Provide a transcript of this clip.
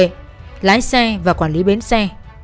đối tượng lái xe và quản lý bến xe